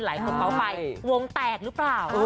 หลายคนเขาไปวงแตกรึเปล่า